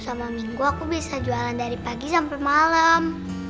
sama minggu aku bisa jualan dari pagi sampai malam